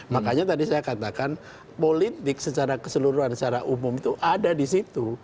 makanya tadi saya katakan politik secara keseluruhan secara umum itu ada di situ